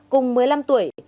cùng một mươi năm tuổi